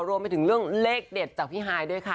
รวมไปถึงเรื่องเลขเด็ดจากพี่ฮายด้วยค่ะ